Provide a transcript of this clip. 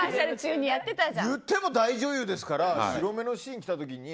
言っても大女優ですから白目のシーン来た時に。